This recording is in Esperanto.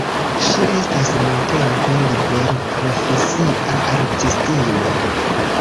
Ŝi estas nuntempe liberprofesia artistino.